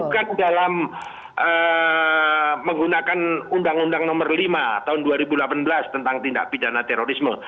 bukan dalam menggunakan undang undang nomor lima tahun dua ribu delapan belas tentang tindak pidana terorisme